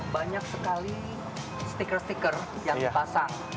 banyak sekali stiker stiker yang dipasang